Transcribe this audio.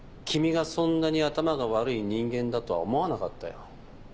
君がそんなに頭が悪い人間だとは思わなかったよ。